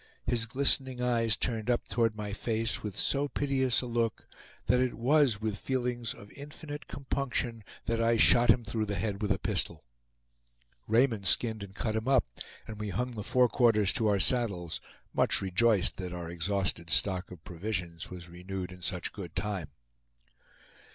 His glistening eyes turned up toward my face with so piteous a look that it was with feelings of infinite compunction that I shot him through the head with a pistol. Raymond skinned and cut him up, and we hung the forequarters to our saddles, much rejoiced that our exhausted stock of provisions was renewed in such good time.